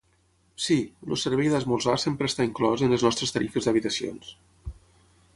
Sí, el servei d'esmorzar sempre està inclòs en les nostres tarifes d'habitacions.